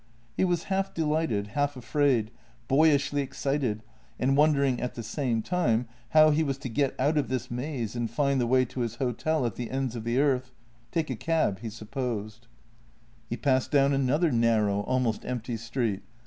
He was half delighted, half afraid — boyishly excited, and wondering at the same time how he was to get out of this maze and find the way to his hotel at the ends of the earth — take a cab, he supposed. i6 JENNY He passed down another narrow, almost empty street.